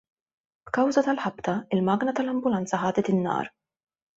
B'kawża tal-ħabta, il-magna tal-ambulanza ħadet in-nar.